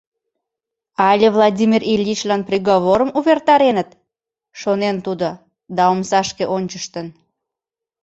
Але Владимир Ильичлан приговорым увертареныт?» — шонен тудо да омсашке ончыштын.